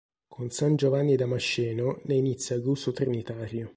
Con San Giovanni Damasceno ne inizia l'uso trinitario.